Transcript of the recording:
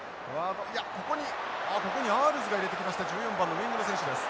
ここにアールズが入れてきました１４番のウイングの選手です。